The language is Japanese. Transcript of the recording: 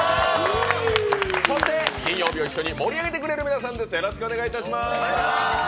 金曜日を一緒に盛り上げてくれる皆さんです。